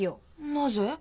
なぜ？